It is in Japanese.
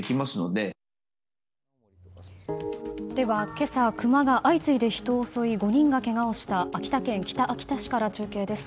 今朝、クマが相次いで人を襲い５人がけがをした秋田県北秋田市から中継です。